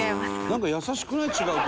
なんか優しくない？